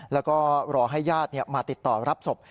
แล้วก็รอให้ญาติมาติดต่อรับศพ